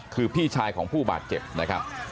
คือพี่ชายของผู้บาดเจ็บนะครับ